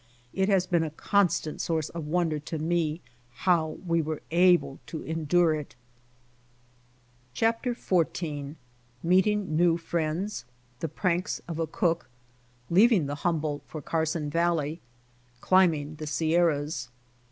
It has been a constant source of wonder to me how we were able to endure it. CHAPTER XIV. MEETING NEW FRIENDS. — THE PRANKS OF A COOK. — LEAVING THE HUMBOLDT FOR CARSON VALLEY. — CLIMBING THE SIERRAS.